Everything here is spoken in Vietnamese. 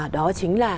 đó chính là